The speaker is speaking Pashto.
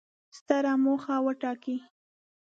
ستره موخه وټاکئ!